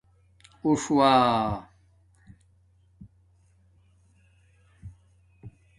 اݸݽ واہ